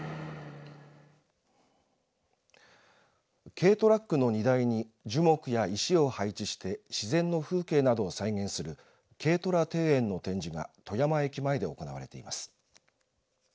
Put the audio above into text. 軽トラックの荷台に樹木や石を配置して自然の風景などを再現する軽トラ庭園の展示が富山駅前で行われています。